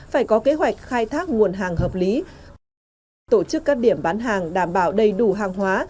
phải có kế hoạch khai thác nguồn hàng hợp lý tổ chức các điểm bán hàng đảm bảo đầy đủ hàng hóa